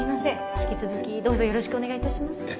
引き続きどうぞよろしくお願いいたしますいえ